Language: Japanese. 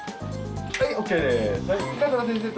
はいＯＫ。